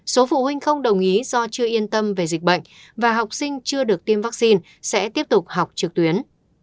số phụ huynh không đồng ý do chưa yên tâm về dịch bệnh và học sinh chưa được tiêm vaccine sẽ tiếp tục học trực tuyến